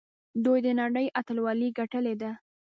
دوی د نړۍ اتلولي ګټلې ده.